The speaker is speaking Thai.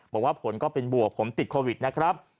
บอกว่าผลก็เป็นบวกผมติดโควิดนะครับ